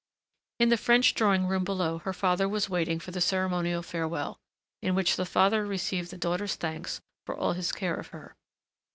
In the French drawing room below her father was waiting for the ceremonial farewell, in which the father received the daughter's thanks for all his care of her.